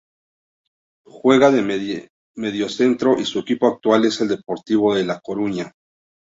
Juega de mediocentro y su equipo actual es el Deportivo de La Coruña.